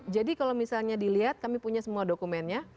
jadi kalau misalnya dilihat kami punya semua dokumennya